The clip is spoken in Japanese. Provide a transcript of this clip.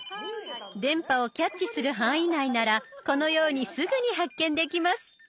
電波をキャッチする範囲内ならこのようにすぐに発見できます。